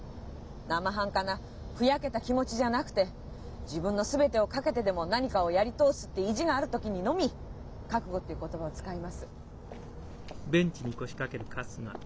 生半可なふやけた気持ちじゃなくて「自分の全てをかけてでも何かをやり通す」って意地がある時にのみ覚悟っていう言葉は使います。